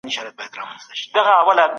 ولي بې ځایه نیوکې رواني روغتیا زیانمنوي؟